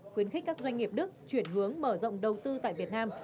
khuyến khích các doanh nghiệp đức chuyển hướng mở rộng đầu tư tại việt nam